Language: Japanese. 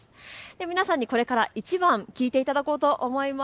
皆さんにこれから１番、聞いていただこうと思います。